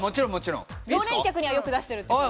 常連客にはよく出しているということで。